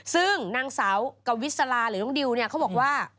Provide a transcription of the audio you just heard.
ซึ่งนางสาวกวิสลาหรือน้องดิวเนี่ยเขาบอกว่า